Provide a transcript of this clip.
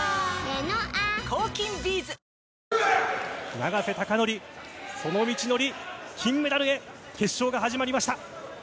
永瀬貴規、その道のり、金メダルへ、決勝が始まりました。